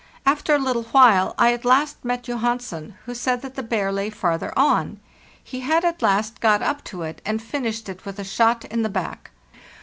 After a little while I at last met Johansen, who said that the bear lay farther on; he had at last got up to it, and finished it with a shot in the back.